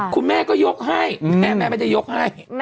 คุณแม่ก็ยกให้แม่ไม่ได้ยกให้